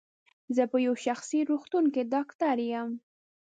زه په یو شخصي روغتون کې ډاکټر یم.